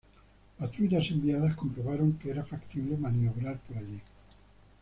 Patrullas enviadas comprobaron que era factible maniobrar por allí.